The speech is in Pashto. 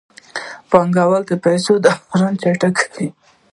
بانکونه د پیسو دوران چټکوي.